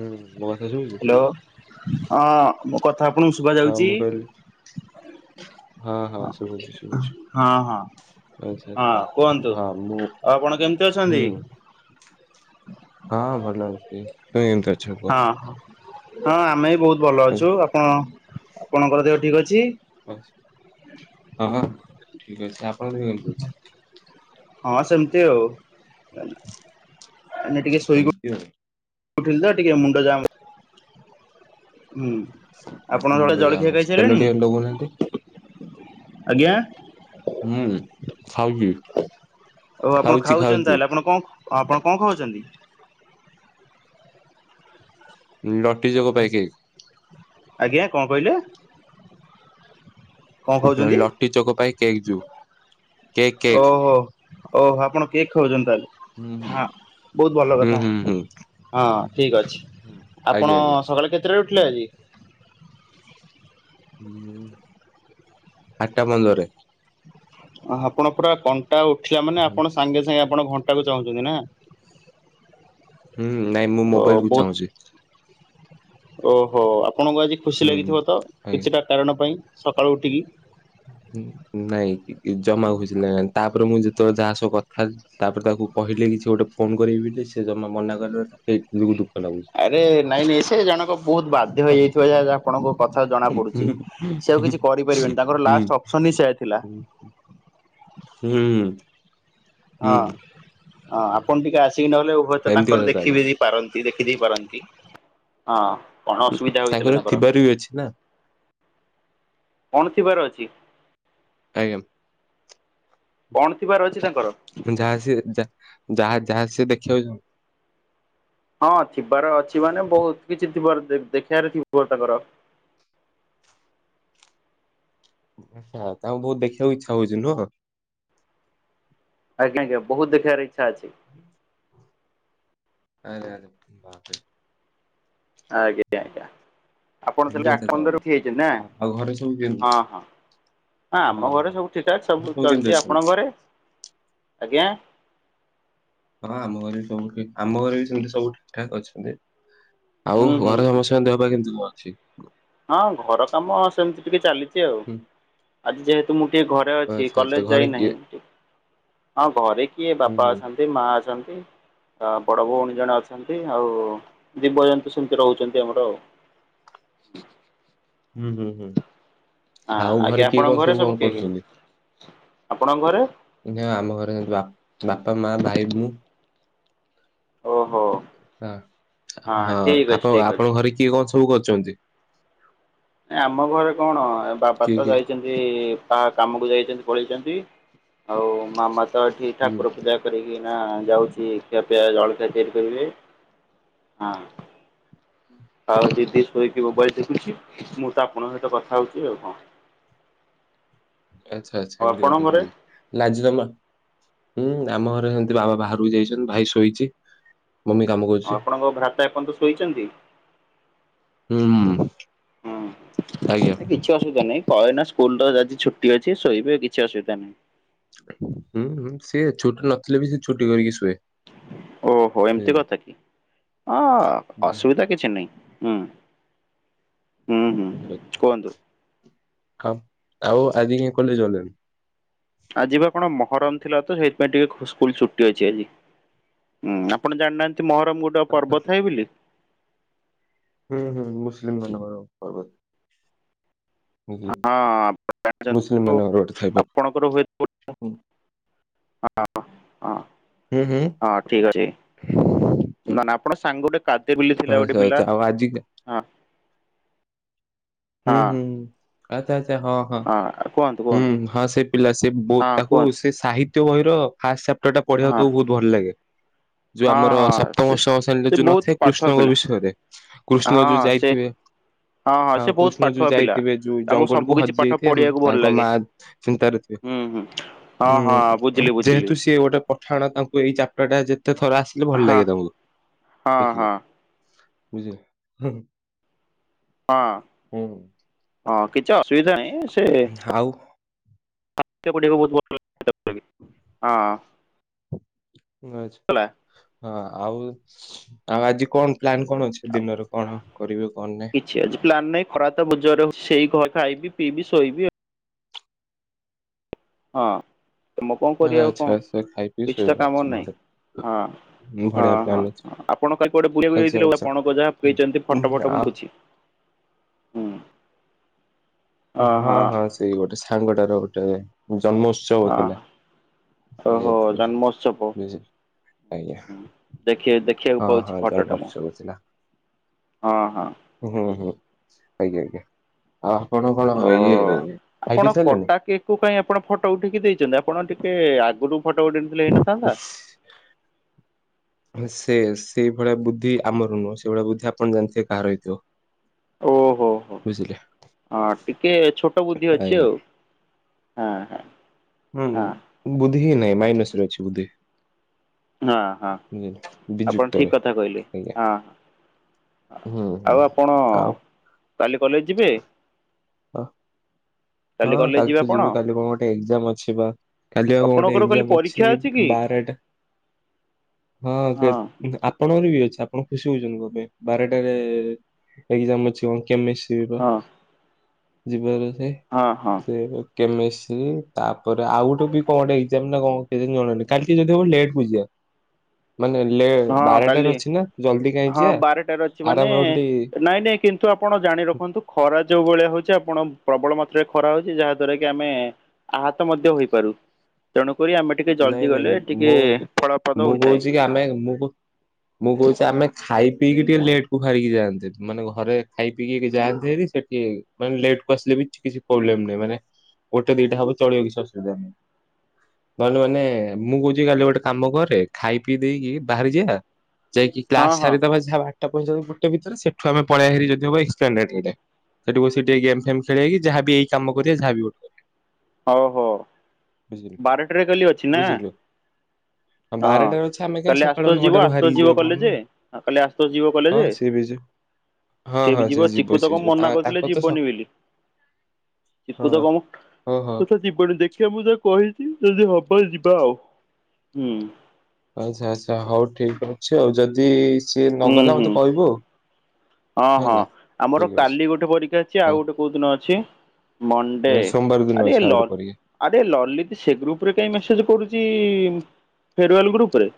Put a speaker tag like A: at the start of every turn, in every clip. A: ହୁଁ ମୋ କଥା ଶୁଭୁଛି।
B: ହାଲୋ ହଁ ମୋ କଥା ଆପଣଙ୍କୁ ଶୁଭା
A: ହଁ
B: ଯାଉଛି।
A: ମୁଁ କହିଲି [unintelligible]
B: ହ
A: ଶୁଭୁଛି ଶୁଭୁଛି
B: ହଁ ହଁ
A: ଆଚ୍ଛା
B: ହଁ କୁହନ୍ତୁ
A: ହଁ ମୁଁ
B: ଆପଣ କେମିତି ଅଛନ୍ତି
A: ହୁଁ ହଁ ଭଲ ଅଛି ତୁମେ କେମତି ଅଛ କୁହ
B: ହଁ ହଁ ହଁ ଆମେ ବହୁତ ଭଲ
A: ହଁ
B: ଅଛୁ ଆପଣ ଆପଣଙ୍କର ଦେହ ଠିକ ଅଛି।
A: ଅଛି ହଁ ହଁ ଠିକ ଅଛି ଆପଣ ଦେହ କେମତି ଅଛି।
B: ହଁ ସେମିତି ଆଉ ଏଇନା ଟିକେ ଶୋଇକି
A: ସେମିତି ଆଉ
B: ଉଠିଲିତ ଟିକେ ମୁଣ୍ଡ ଜାମ ହୁଁ
A: ଆଜି
B: ଆପଣହର
A: ମୁଣ୍ଡ ଜାମ୍
B: ଜଳଖିଆ
A: ଅଛି ତେଲ
B: ଖାଇସାଇଲେଣି
A: ଟିକେ ଲଗଉନାହାନ୍ତି।
B: ଆଜ୍ଞା
A: ହୁଁ ଖାଉଚି
B: ଆଉ ଆପଣ ଖାଉଛନ୍ତି ତାହେଲେ ଆପଣ କଣ ଆପଣ କଣ ଖାଉଛନ୍ତି
A: ଲଟି ଚକ ପାଇ କେକ
B: ଆଜ୍ଞା କଣ କହିଲେ? କଣ ଖାଉଛନ୍ତି?
A: ଲଟି ଚୋକ ପାଇ କେକ ଯଉ
B: ଓହୋ ଓହୋ ଆପଣ କେକ ଖାଉଛନ୍ତି ତାହେଲେ ହଁ ବହୁତ ଭଲ କଥା
A: ହୁଁ-ହୁଁ-ହୁଁ
B: ହଁ ଠିକ ଅଛି ଆପଣ
A: ଆଜ୍ଞା
B: ସକାଳେ କେତେଟାରେ ଉଠିଲେ
A: ହୁଁ।
B: ଆଜି
A: ଆଠଟା ପନ୍ଦରରେ
B: ଆପଣ ପୁରା କଣ୍ଟା ଉଠିଲା ମାନେ
A: ହୁଁ
B: ଆପଣ ସାଙ୍ଗେ ସାଙ୍ଗେ ଆପଣ ଘଣ୍ଟାକୁ ଚାହୁଁଛନ୍ତିନା
A: ହୁଁ ନାଇଁ ମୁଁ
B: ଓ
A: ମୋବାଇଲକୁ
B: ବହୁତ
A: ଚାହୁଁଚି
B: ଓହୋ ଆପଣଙ୍କୁ ଆଜି ଖୁସି
A: ହୁଁ ହୁଁ
B: ଲାଗିଥିବତ
A: ଆଜ୍ଞା।
B: କିଛିଟା କାରଣ ପାଇଁ ସକାଳୁ ଉଠିକି
A: ନାଇଁ ଜମା ଖୁସି ଲାଗିଲାଣି ତାପରେ ମୁଁ ଯେତେବେଳେ ଯାହା ସବୁକଥା ତାପରେ ତାକୁ କହିଲି କିଛି ଗୋଟେ ଫୋନ କରବି ବୋଲି ସେ ଜମା ମନାକଲା ସେ କବହୁଚ ଦୁଃଖ ଲାଗୁଚି
B: ଆରେ ନାଇଁ ନାଇଁ ସେ ଜଣକ ବହୁତ ବାଧ୍ୟ ହେଇଯାଇଥିବ ଯାହା ଆପଣଙ୍କ କଥା ଜଣା ପଡୁଛି ସେ ଆଉ କିଛି କରିପାରିବେନି ତାଙ୍କର
A: ହୁଁ
B: ଲାଷ୍ଟ ଅପସନ ହିଁ ସେୟା ଥିଲା।
A: ହୁଁ,
B: ହଁ
A: ହୁଁ
B: ହଁ ଆପଣ ଟିକେ ଆସିକି ନହେଲେ
A: ଏମିତି
B: ଉଭୟତାଙ୍କର
A: କଥା ତାହେଲେ
B: ଦେଖିବେ ପାରନ୍ତି ଦେଖିଦେଇ ପାରନ୍ତି ହଁ କଣ ଅସୁବିଧା ହୋଇଥିଲା ତାଙ୍କର
A: ଠିକ ଅଛିନା
B: କଣ ଥିବାର ଅଛି
A: ଆଜ୍ଞା
B: କଣ ଥିବାର ଅଛି ତାଙ୍କର।
A: ଯାହା ସିଏ ଯା ଯାହା ଯାହା ସିଏ ଦେଖିବାକୁ
B: ହଁ ଥିବାର ଅଛି ମାନେ ବହୁତ କିଛି ଥିବାର ଦେଖିବାରେ ଥିବ ତାଙ୍କର
A: ଆଛା ତାଙ୍କୁ ବହୁତ ଦେଖିବାକୁ ଇଛା ହଉଚି ନୁହଁ
B: ଆଜ୍ଞା ଆଜ୍ଞା ବହୁତ ଦେଖିବାର ଇଛା ଅଛି।
A: ଆରେ ଆରେ ବାପରେ
B: ଆଜ୍ଞା ଆଜ୍ଞା ଆପଣ
A: ଏମିତି
B: ତାହେଲେ
A: କଥା
B: ଆଠଟା ପନ୍ଦରରୁ ଉଠି ଯାଇଛନ୍ତି ନା
A: ଆଉ ଆଉ ଘରେ ସବୁ କେମିତି
B: ହଁ ହଁ ହଁ ଆମ ଘରେ ସବୁ ଠିକ ଠାକ ସବୁ ଚାଲିଚି ଆପଣଙ୍କ ଘରେ ଆଜ୍ଞା
A: ହଁ ଆମ ଘରେବି ସବୁ ଠିକ୍ ଆମ ଘରେବି ସେମିତି ସବୁ ଠିକ ଠାକ ଅଛନ୍ତି।
B: ହୁଁ
A: ଆଉ
B: ହୁଁ
A: ଘରେ
B: ହୁଁ
A: ସମସ୍ତଙ୍କ ଦେହ ଫାହା କେମିତି କଣ ଅଛି।
B: ହଁ ଘର କାମ ସେମିତି ଟିକେ ଚାଲିଚି ଆଉ
A: ହୁଁ
B: ଆଜି ଯେହେତୁ ମୁଁ ଟିକେ ଘରେ ଘରେ ଅଛି
A: ଆଚ୍ଛା ଆଚ୍ଛା
B: କଲେଜ
A: ଘରେ କିଏ
B: ଯାଇନାହିଁ ହଁ ଘରେ କିଏ
A: ହୁଁ
B: ବାପା
A: ହୁଁ
B: ଅଛନ୍ତି ମା ଅଛନ୍ତି ବଡ ଭଉଣୀ ଜଣେ ଅଛନ୍ତି ଆଉ ଜିବଜନ୍ତୁ ସେମିତି ରହୁଛନ୍ତି ଆମର [unintelligible]
A: ହୁଁ ହୁଁ ହୁଁ ଆଉ
B: ଆଜ୍ଞା
A: ଘରେ କିଏ
B: ଆପଣଙ୍କ
A: କଣ ସବୁ କଣ
B: କିଏ କିଏ
A: କରୁଚନ୍ତି?
B: ଆପଣଙ୍କ ଘରେ
A: ନା ଆମ ଘରେ ବା ବାପା ମା ଭାଇ ମୁଁ
B: ଓହୋ
A: ହ ହଁ
B: ଠିକ ଅଛି
A: ଆପଣ
B: ଠିକ ଅଛି।
A: ଆପଣଙ୍କ ଘରେ କିଏ କଣ ସବୁ କରୁଚନ୍ତି?
B: ଏ ଆମ ଘରେ କଣ ବାପା
A: କିଏ
B: ତ
A: କିଏ
B: ଯାଇଚନ୍ ତି ପା କାମକୁ ଯାଇଛନ୍ତି ପଳେଇଛନ୍ତି ଆଉ ମାମା ତ ଏଠି
A: ହୁଁ
B: ଠାକୁର ପୂଜା କରିକି ଏଇନା ଯାଉଛି ଖିଆ ପିଆ ଜଳଖିଆ ତିଆରି କରିବେ ହଁ। ଆଉ ଦିଦି ଶୋଇକିି ମୋବାଇଲ ଟିପୁଛି ମୁଁ ତ ଆପଣଙ୍କ ସହିତ କଥା ହଉଛି ଆଉ କଣ।
A: ଆଚ୍ଛା ଆଚ୍ଛା
B: ଆଉ
A: ଏମିତି
B: ଆପଣଙ୍କ
A: କଥା
B: ଘରେ
A: ତାହେଲେ। ଲାଜିଦମା ହୁଁ ଆମ ଘରେ ସେମିତି ବାବା ବାହାରକୁ ଯାଇଛନ୍ତି ଭାଇ ଶୋଇଛି। ମମି କାମ କର
B: ଆପଣଙ୍କ ଭ୍ରାତା ଏପନ୍ତ ଶୋଇଛନ୍ତି?
A: ହୁଁ। ଆଜ୍ଞା
B: ହୁଁ ହଁ ଏଇନା ସ୍କୁଲ ତ ଆଜି ଛୁଟି ଅଛି ଶୋଇବେ କିଛି ଅସୁବିଧା ନାହିଁ।
A: ହୁଁ ହୁଁ ସିଏ ଛୁଟି ନଥିଲେ ବି ସେ ଛୁଟି କରିକି ଶୁଏ।
B: ଓହୋ ଏମିତି
A: ବୁଝିଲେ।
B: କଥା କି ଅ ଅସୁବିଧା
A: ହୁଁ
B: କିଛି ନାହିଁ ହୁଁ। ହୁଁ ହୁଁ କୁହନ୍ତୁ।
A: ଆଉ ଆଉ ଆଜିି କାଇ କଲେଜ୍ ଗଲେନି?
B: ଆଜି ବା କଣ ମହରମ ଥିଲା ତ ସେଇଥିପାଇଁ ଟିକେ ଖୁ ସ୍କୁଲ ଛୁଟି ଅଛି ଆଜି। ହଁ ଆପଣ ଜାଣିନାହାନ୍ତି ମହରମ ଗୋଟେ ଅପର୍ବ ଥାଏ ବୋଲି?
A: ହୁଁ ହୁଁ ମୁସଲିମ୍ ମାନଙ୍କର ପର୍ବ।
B: [inaudible]
A: ମୁସଲିମ ମାନଙ୍କର ଗୋଟେ ଥାଏ ପର୍ବ।
B: କୁର ହୁଏ [unintelligible]
A: ହୁଁ
B: ହଁ ହଁ।
A: ହେ ହେ।
B: ଠିକ ଅଛି ନା ନା ଆପଣ ସାଙ୍ଗ ଗୋଟେ କାତିର ବୋଲି ଥିଲା ଗୋଟେ
A: ଆଚ୍ଛା
B: ପିଲା?
A: ଆଚ୍ଛା ଆଉ ଆଜି
B: ହଁ
A: ହୁଁ
B: ହଁ।
A: ହୁଁ ଆଚ୍ଛା ଆଚ୍ଛା ହଁ ହଁ
B: କୁହନ୍ତୁ
A: ହୁଁ
B: କୁହନ୍ତୁ
A: ହଁ ସେ ପିଲା ସେ ବହୁତ
B: ହଁ
A: ତାକୁ
B: କୁହନ୍ତୁ
A: ସେ ସାହିତ୍ୟ ବହିର ଫାଷ୍ଟ ଚାପ୍ଟରଟା ପଢିବାକୁ
B: ହଁ ହଁ
A: ତାକୁ ବହୁତ ଭଲ ଲାଗେ। ଯୋଉ ଆମର
B: ହଁ
A: ସପ୍ତମ
B: ସେ
A: ଅଷ୍ଟମ ଶେଣୀରେ ଯୋଉ
B: ସେ ବହୁତ
A: ନଥାଏ
B: ପାଠୁଆ
A: କୃଷ୍ଣଙ୍କ
B: ପିଲା
A: ବିଷୟରେ କୃଷ୍ଣ ଯୋଉ
B: ହଁ ସେ
A: ଯାଇଥିବେ ହଁ
B: ସେ ବହୁତ
A: କୃଷ୍ଣ ଯୋଉ
B: ପାଠୁଆ ପିଲା।
A: ଯାଇଥିବେ ଯୋଉ
B: ତାଙ୍କୁ ସବୁ
A: ଜଙ୍ଗଲକୁ
B: କିଛି
A: ହଜି
B: ପାଠ
A: ଯାଇଥିବେ
B: ପଢିବାକୁ ଭଲ
A: ତାଙ୍କ
B: ଲାଗେ
A: ମା ଚିନ୍ତାରେ ଥିବେ
B: ହୁଁ ହୁଁ। ହଁ ହଁ
A: ହୁଁ
B: ବୁଝିଲି ବୁଝିଲି
A: ଯେହେତୁ ସିଏ ଗୋଟେ ପଠାଣ ତାଙ୍କୁ ଏଇ ଚାପ୍ଟରଟା ଯେତେ ଥର ଆସିଲେ ଭଲ
B: ହଁ
A: ଲାଗେ ତାଙ୍କୁ
B: ହଁ ହଁ
A: ଦେଖିଲେ। ହଁ।
B: ହଁ।
A: ହୁଁ।
B: ହଁ କିଛି ଅସୁବିଧା ନାହିଁ ସେ
A: ଆଉ
B: [unintelligible] ହଁ।
A: ଆଚ୍ଛ୍।
B: କଲା
A: ହଁ ଆଉ ଆଉ ଆଜି କଣ ପ୍ଲାନ କଣ ଅଛି ଦିନରେ କଣ କରିବେ କଣ ନାଇ?
B: ଛି ଆଜି ପ୍ଲାନ୍ ନାଇ ଖରା ତ ବହୁତ ଜୋରରେ ହଛି ସେଇ ଘ ଖାଇବି ପିଇବି ଶୋଇବି ଆଉ। ହଁ ତମ କଣ କରିବ ଆଉ
A: ଆଚ୍ଛା
B: କଣ
A: ଆଚ୍ଛା ଖାଇ ପିଇ
B: କିଛି ତ
A: ଶୋଇବା ଆଛା
B: କାମ ନାହିଁ
A: ବଢିଆ
B: ହଁ।
A: ବଢିଆ
B: ହଁ
A: ପ୍ଲାନ
B: ହଁ
A: ଅଛି
B: ଆପଣ କାଲି କୁଆଡେ ବୁଲିବାକୁ
A: ଆଚ୍ଛା
B: ଯାଇଥିଲେ ବା
A: ଆଚ୍ଛା।
B: ପଣକ ଯାହାଛନ୍ତି
A: ଉଁ,
B: ଫଟୋ ଫଟ ମୁଁ
A: ଆଉ
B: ପୁଛି
A: ହଁ ହଁ ସେଇ ଗୋଟେ ସାଙ୍ଗଟାର ଗୋଟେ ଜନ୍ମୋତ୍ସ ବ
B: ହଁ
A: ଥିଲା।
B: ଓହୋ
A: ହଉଥିଲା
B: ଜନ୍ମୋତ୍ସବ।
A: ବୁଝିଲୁ? ଆଜ୍ଞା।
B: ଦେଖ ଦେଖିବାକୁ
A: ହଁ
B: ପାଉଛି
A: ହଁ
B: ଫଟୋଟା ମୁଁ
A: ଜନ୍ମୋତ୍ସବ ଥିଲା
B: ହଁ ହଁ।
A: ହୁଁ ହୁଁ। ଆଜ୍ଞା ଆଜ୍ଞା। ଆଉ ଆପଣ କଣ
B: ଓ।
A: ଇଏ ଖାଇ ପି ସାରିଲେଣି?
B: କୋଉ ପାଇଁ ଆପଣ ଫଟୋ ଉଠେଇକି ଦେଇଛନ୍ତି? ଆପଣ ଟିକେ ଆଗରୁ ଫଟୋ ଉଠେଇଥିଲେ ହେଇନଥାନ୍ତା।
A: ହଁ ସେ-ସେଇ ଭଳିଆ ବୁଦ୍ଧି ଆମର ନୁହଁ। ସେଇ ଭଳିଆ ବୁଦ୍ଧି ଆପଣ ଜାଣିଥିବେ କାହାର ହେଇଥିବ।
B: ଓହୋ ହୋ,
A: ବୁଝିଲେ।
B: ହଁ ଟିକେ ଛୋଟ ବୁଦ୍ଧି ଅଛି
A: ଆଜ୍ଞା
B: ଆଉ। ହଁ ହଁ।
A: ହୁଁ
B: ହଁ
A: ବୁଦ୍ଧି ହିଁ ନାହିଁ, ମାଇନସରେ ଅଛି ବୁଦ୍ଧି।
B: ହଁ ହଁ
A: ବୁଝିଲେ।
B: ଆପଣ ଠିକ୍
A: ବିଯୁକ୍ତରେ
B: କଥା କହିଲେ।
A: ଆଜ୍ଞା
B: ହଁ।
A: ହୁଁ ହୁଁ।
B: ଆ-ଆଉ ଆପଣ
A: ଆଉ
B: କାଲି କଲେଜ ଯିବେ?
A: ହ। ହଁ
B: କଲେଜ
A: କାଲି
B: ଯିବେ
A: ତୁ
B: ଆପଣ
A: ଯିବୁ, କାଲି କଣ ଗୋଟେ ଏଗ୍ଜାମ ଅଛି ବା। କାଲି ବା କଣ ଗୋଟେ
B: ଆପଣଙ୍କର କାଲି
A: ଏକ୍ଜାମ ଅଛି
B: ପରୀକ୍ଷା କି
A: ବାରେଟା। ହଁ ଦେବ ଆପ ଆପଣଙ୍କର ବି ଅଛି, ଆପଣ ଖୁସି ହଉଛନ୍ତି କଣ ପାଇଁ? ବାରଟାରେ ଏଗ୍ଜାମ ଅଛି କଣ କେମିଷ୍ଟ୍ରୀ। ସେଇ ବା।
B: ହଁ
A: ଯିବାର ଅଛି।
B: ହଁ ହଁ।
A: ସେୟା ବା କେମେଶ୍ରି, ତାପରେ ଆଉ ଗୋଟେ ବି କଣ ଗୋଟେ ଏଗ୍ଜାମ ନା କଣ କେଜାଣି ଜଣାନାହିଁ। କାଲି ଟିକେ ଯଦି ହେବ ଲେଟକୁ ଯିଆ।
B: ହଁ କାଲି।
A: ଅଛି ନା ଜଲ୍ଦି କାହିଁ
B: ହଁ
A: ଯିବା
B: ବାରଟାରେ ଅଛି ମାନେ
A: ଆରାମରେ ଗୋଟେ
B: ନାଇଁ ନାଇଁ କି କିନ୍ତୁ ଆପଣ ଜାଣି ରଖନ୍ତୁ ଖରା ଯୋଉ ଭଳିଆ ହଉଛି ଆପଣ ପ୍ରବଳ ମାତ୍ରାରେ ଖରା ହଉଛି, ଯାହା ଦ୍ଵାରା କି ଆମେ ଆହତ ମଧ୍ୟ ହୋଇପାରୁ। ତେଣୁକରି ଆମେ ଟିକେ
A: ନାଇଁ
B: ଜଲ୍ଦି
A: ନାଇଁ
B: ଗଲେ ଟିକେ
A: ମୁଁ
B: ଫଳପ୍ରଦ
A: ମୁଁ
B: ହୋଇଥାଏ।
A: କହୁଛି କି ଆମେ ମୁଁ କହୁ, ମୁଁ କହୁଛି ଆମେ ଖାଇ ପିଇକି ଟିକେ ଲେଟକୁ ବାହାରିକି ଯାଆନ୍ତେ, ମାନେ ଘରେ ଖାଇପିଇକି ଯାଆନ୍ତେ ହେରି ସେଠି ମାନେ ଲେଟକୁ ଆସିଲେ ବି କିଛି ପ୍ରୋବ୍ଲେମ ନାହିଁ, ମାନେ ଗୋଟେ ଦିଟା ହବ ଚଳିବ କିଛି ଅସୁବିଧା ନାହିଁ। ନହେଲେ ମାନେ ମୁଁ କହୁଛି କାଲି ଗୋଟେ କାମ କରେ ଖାଇ ପିଇ ଦେଇକି ବାହାରି ଯିଆ। ଯାଇକି
B: ହଁ
A: କ୍ଲାସ
B: ହଁ
A: ସାରିଦବା ଯାହା ବାରଟା ପଇଞ୍ଚାଳିଶି ଗୋଟେ ଭିତରେ। ସେଠୁ ଆମେ ପଳେଇ ହେରି ଯଦି ହବ ଏକ୍ସପ୍ଲାନେଡରେ। ସେଠି ବସିକି ଟିକେ ଗେମ୍ ଫେମ୍ ଖେଳିଆ କି ଯାହା ବି ଏଇ କାମ କରିଆ, ଯାହା ବି ଗୋଟେ
B: ହଉ ହଉ।
A: ବୁଝିଲୁ
B: ବାରଟାରେ କାଲି ଅ
A: ବୁଝିଲୁ?
B: ହଁ
A: ବାରଟାରେ ଅଛି ଆମେ କାହିଁ
B: କାଲି
A: ସକାଳ
B: ଆଶୁତୋଷ ଯିବ
A: ନଅଟାରୁ
B: ଆଶୁତୋଷ
A: ବାହାରିକି
B: ଯିବ
A: ଯିବା କହୁନୁ।
B: କଲେଜେ? କାଲି ଆଶୁତୋଷ ଯିବ
A: ହଁ
B: କଲେଜେ?
A: ସିଏ ବି ଯି ହଁ
B: ସିଏ
A: ହଁ
B: ବି
A: ସେ
B: ଯିବ। ଚିକୁ
A: ସେ
B: ତ କଣ
A: ଯିବ ତା
B: ମନା କରୁଥିଲେ
A: ତାଙ୍କର ତ ସ
B: ଯିବନି ବୋଲି। ଚିକୁ ତ କମୁ
A: ଓହୋ।
B: ସେ ଯିବନି ଦେଖିଆ, ମୁଁ ଯା କହିଛି ଯଦି ହବ ଯିବା ଆଉ। ହୁଁ।
A: ଆଚ୍ଛା ଆଚ୍ଛା, ହଉ ଠିକ୍ ଅଛି ଆଉ। ଯଦି ସିଏ
B: ହୁଁ
A: ନଗଲା
B: ହୁଁ।
A: ମତେ କହିବୁ ଆଉ
B: ହଁ ହଁ।
A: ହେଲା।
B: ଆମର
A: ଠିକ ଅଛି
B: କାଲି ଗୋଟେ ପରୀକ୍ଷା ଅ ଛି ଆଉ
A: ହଁ
B: ଗୋଟେ କୋଉ ଦିନ ଅଛି? ମଣ୍ଡେ।
A: ସୋମବାର ଦିନ
B: ଆରେ
A: ଅଛି ଆଉ
B: ଲ
A: ଗୋଟେ ପରୀକ୍ଷା
B: ଆରେ ଲଲିତ ସେ ଗ୍ରୁପରେ କାଇଁ ମେସେଜ କରୁଛି, ଫେରୱାଲ ଗ୍ରୁପରେ।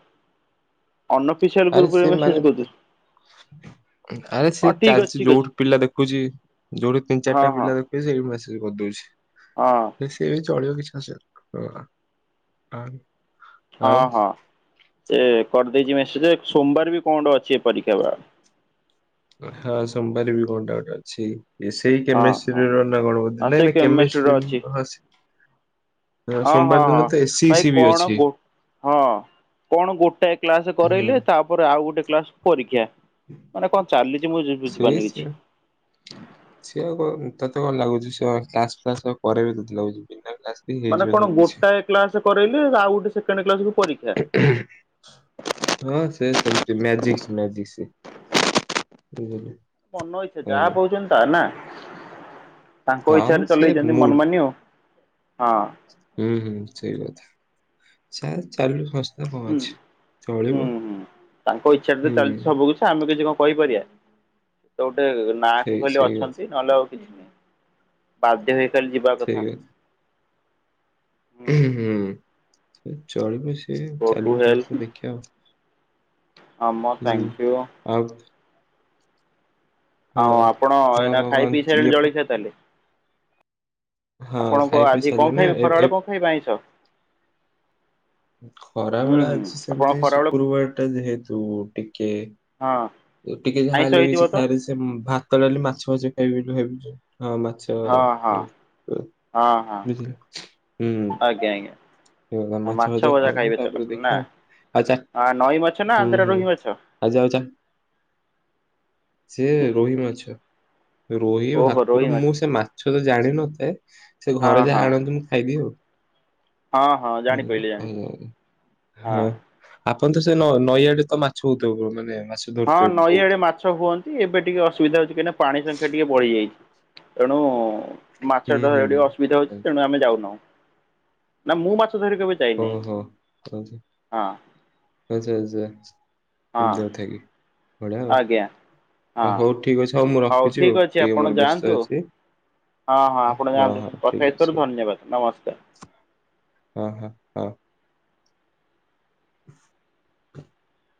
B: ଅନଅଫିସିଆଲ
A: ଆରେ ସେ
B: ଗ୍ରୁପରେ
A: ମାନେ
B: ମେସେଜ୍ କରୁଛି।
A: ଆରେ ସେ
B: ହଁ ଠିକ ଅଛି
A: ଚାଲିଛି
B: ଠିକ ଅଛି
A: ଯୋଉଠି ପିଲା ଦେଖୁଛି, ଯୋଉଠି ତିନି
B: ହଁ
A: ଚାରିଟା
B: ହଁ
A: ପିଲା ଦେଖୁ ଛି ସେଇଠୁ ମେସେଜ କରିଦଉଛି।
B: ହଁ।
A: ନାଇ ସିଏ ବି ଚଳିବ କିଛି ଅଶୁବି ପ୍ର ଆ।
B: ହଁ
A: ଆଉ
B: ହଁ ସେ କରିଦେଇଛି ମେସେଜ ଯେ ସୋମବାର ବି କଣଗୋଟେ ଅଛି ଏ ପରୀକ୍ଷା ବା।
A: ହଁ ସୋମବାର ବି କଣଟା ଗୋଟେ ଅଛି। କି ସେଇ
B: ହଁ ହଁ
A: କେମିଷ୍ଟ୍ରି ର ନା
B: ହଁ
A: କଣବଧେ
B: ସେ
A: ନାଇଁ ନାଇଁ
B: କେମିଷ୍ଟ୍ରିର
A: କେମିଷ୍ଟ୍ରି ହଁ।
B: ଅଁ ହଁ
A: ସୋମବାର ଦିନ
B: ହଁ
A: ତ ଏସି
B: ଭାଇ
A: ସି ବି
B: କଣ
A: ଅଛି
B: ଗୋ ହଁ କଣ ଗୋଟାଏ କ୍ଲାସ
A: ହୁଁ
B: କରାଇଲେ ତାପ ତାପରେ ଆଉ ଗୋଟେ କ୍ଲାସ ପରୀକ୍ଷା ମାନେ କଣ ଚାଲିଛି ମୁଁ
A: ସେଇ
B: ବୁଝିପାରୁନି କିଛି।
A: ସିଏ ସିଏ ତତେ କଣ ଲାଗୁଛି ସିଏ କ୍ଲାସ୍ ଫ୍ଲାସ କରେଇବେ ତତେ ଲାଗୁଛି ବିନା କ୍ଲାସ୍
B: ମାନେ କଣ ଗୋଟାଏ କ୍ଲାସ କରେଇଲେ ଆଉ ଗୋଟେ ସେକେଣ୍ଡ କ୍ଲାସକୁୁ ପରୀକ୍ଷା।
A: ହଁ ସେ ସେମତି ମ୍ୟାଜିକ୍ସ ମ୍ୟାଜିକ୍ସ। [unintelligible]
B: ମନ ଇଚ୍ଛା ଯାହା
A: ଆଜ୍ଞା।
B: ପାଉଚନ୍ତି ତା ନା। ତାଙ୍କ
A: ହଁ ମ
B: ଇଚ୍ଛାରେ
A: ସେ
B: ଚଲେଇଛନ୍ତି
A: ମୁଡ୍
B: ମନ ମାନି ଆଉ ହଁ।
A: ହୁଁ ହୁଁ ସେଇ କଥା ଛାଡ୍ ଚାଲୁ ସଂସ୍ଥା।
B: ହୁଁ ହୁଁ ହୁଁ ତାଙ୍କ ଇଚ୍ଛାରେ ତ
A: ହୁଁ,
B: ଚାଲିଛି ସବୁ କିଛି। ଆମେ କିଛି କଣ କହିପାରିବା ତ ଗୋଟେ ନାଁ
A: ସେଇ
B: କୁ ଖାଲି
A: ସେଇ କଥା
B: ଅଛନ୍ତି ନହେଲେ ଆଉ କିଛି ନାହିଁ। ବାଧ୍ୟ ହେଇ ଖାଲି ଯିବା
A: ସେଇ
B: କଥା। ହୁଁ
A: ଉଁ ହୁଁ ଚଳିବ ସେ
B: ଗୋ ଟୁ
A: ଚାଲୁ
B: ହେଲ୍
A: ସଂସ୍ଥା ଦେଖିଆ ଆଉ।
B: ହମ
A: ହୁଁ,
B: ଥ୍ୟାଙ୍କୟୁ।
A: ଆଉ ହଁ,
B: ଆଉ ଆପଣ
A: ହଁ,
B: ଏଇନା
A: ବ
B: ଖାଇ
A: କଣ
B: ପିଇ
A: ଇଏ
B: ସାରିଲେଣି
A: ପ-
B: ଜଳଖିଆ ତାହେଲେ।
A: ହଁ,
B: ଆପଣ
A: ଖାଇ ପିଇ
B: ଆଜି କଣ
A: ସାରିଲେଣି ନା?
B: ଖାଇବେ
A: ଏ ଏ
B: ଖରାବେଳେ କଣ ଖାଇବେ ଆଇଁଷ? ହୁଁ
A: ଖରାବେଳେ
B: ହୁଁ
A: ଆଜି
B: ଆପଣ
A: ସେମିତି
B: ଖରାବେଳେ
A: ଶୁକ୍ରବାର ଟା ଯେହେତୁ ଟିକେ
B: ହଁ।
A: ଟିକେ ଯାହା
B: ଆଇଁଷ
A: ହେଲେ ବି କିଛି
B: ହେଇଥିବ ତ?
A: ଖାଇଆରେ ସେ ଭାତ ଡାଲି ମାଛ ମାଛ ଖାଇବି ବୋଲି ଭାବିଚି ହଁ ମାଛ।
B: ହଁ
A: ତ
B: ହଁ
A: ଉଁ
B: ହଁ ହଁ
A: ବୁଝିଲ ହୁଁ।
B: ଆଜ୍ଞା ଆଜ୍ଞା।
A: ସେ
B: ଆଉ
A: ମାଛ ଫାଛ
B: ଭଜା
A: ଖାଇବୁ
B: ଖାଇବେ ତାହେଲେ
A: ତାପରେ
B: ଆପଣ ନା?
A: ଦେଖଆ ଆଉ ଆଚ୍ଛା
B: ଆ ନଈ ମାଛ ନା
A: ହୁଁ
B: ଆନ୍ଧ୍ରା
A: ହୁଁ।
B: ରୋହି ମାଛ?
A: ଆଜି ଆଉ ଚା ସେ ରୋହି ମାଛ ରୋହି
B: ଓହୋ
A: ଭାକୁର
B: ରୋହି ମାଛ
A: ମୁଁ ସେ ମାଛ ତ ଜାଣିନଥାଏ। ସେ
B: ହଁ
A: ଘରେ
B: ହଁ
A: ଯାହା ଆଣନ୍ତି ମୁଁ ଖାଇଦିଏ ଆଉ।
B: ହଁ ହଁ ଜାଣିପାରିଲି ଜାଣିପାରିଲି
A: ହଁ। ଆପଣ ତ ସେ ନଈଆଡେ ତ ମାଛ ହଉଥବ ମାନେ ମାଛ
B: ହଁ
A: ଧରୁଥିବେ ବହୁତ
B: ନଈଆଡେ ମା ମାଛ ହୁଅନ୍ତି ଏବେ ଟିକେ ଅସୁବିଧା ହଉଛି କାହିଁକିନା ପାଣି ସଂଖ୍ୟା ଟିକେ ବଢ଼ିଯାଇଛି ତେଣୁ ମାଛ
A: ହୁଁ ହୁଁ
B: ଧରିଆକୁ ଟିକେ ଅସୁବିଧା ହଉଛି ତେଣୁ ଆମେ ଯାଉନାହୁଁ, ନା ମୁଁ ମାଛଧରି କେବେ ଯାଇନାହିଁ
A: ଓହୋ ଆଚ୍ଛା
B: ହଁ
A: ଆଚ୍ଛା
B: ହଁ
A: ଏମିତିଆ କଥା କିି। ବଢିଆ
B: ଆଜ୍ଞା
A: ଆଉ
B: ହଁ
A: ହଉ ଠିକ୍ ଅଛି ହଉ ମୁଁ ରଖୁଛି
B: ଠିକ
A: ଆଉ,
B: ଅଛି
A: ଟିକେ
B: ଆପଣ
A: ମୋର ବ୍ୟସ୍ତ
B: ଯାଆନ୍ତୁ
A: ଅଛି।
B: ହଁ ହଁ ଆପଣ ଯାଆନ୍ତୁ,
A: ହଁ
B: କଥା
A: ଠିକ
B: ହେଇଥିବାରୁ
A: ଅଛି
B: ଧନ୍ୟବାଦ ନମସ୍କାର।
A: ହଁ ହ ହଁ। [inaudible]